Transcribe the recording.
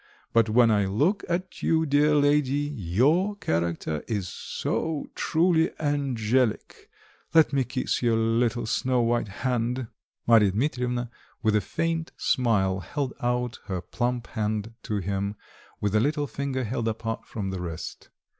But when I look at you, dear lady your character is so truly angelic; let me kiss your little snow white hand!" Marya Dmitrievna with a faint smile held out her plump hand to him with the little finger held apart from the rest.